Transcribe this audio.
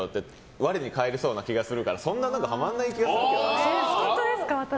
我に返りそうな気がするからそんなにハマらない気がする。